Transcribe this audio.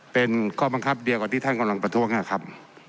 เป็นข้อบังคับเดียวกับที่ท่านกำลังประท้วงนะครับ